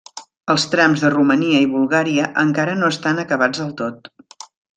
Els trams de Romania i Bulgària encara no estan acabats del tot.